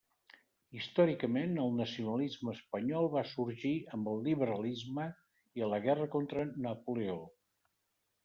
Històricament, el nacionalisme espanyol va sorgir amb el liberalisme i a la guerra contra Napoleó.